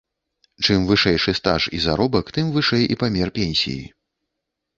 Чым вышэйшы стаж і заробак, тым вышэй і памер пенсіі.